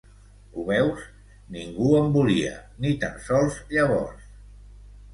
Ho veus? ningú em volia, ni tan sols llavors.